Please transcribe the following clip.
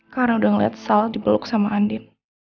karena udah ngeliat sal dibeluk sama andien